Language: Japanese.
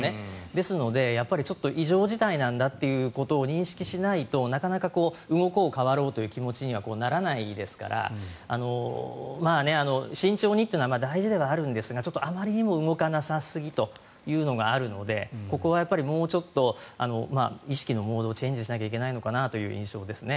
ですので、異常事態なんだっていうことを認識しないとなかなか動こう変わろうという気持ちにはならないですから慎重にというのは大事ではあるんですがちょっとあまりにも動かなさすぎというのがあるのでここはもうちょっと意識のモードをチェンジしないといけないのかなという印象ですね。